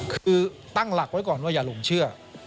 คือตั้งหลักไว้ก่อนว่าอย่าหลงเชื่อ